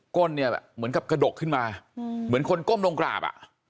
้นเนี่ยเหมือนกับกระดกขึ้นมาเหมือนคนก้มลงกราบอ่ะ